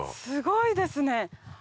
すごいですね。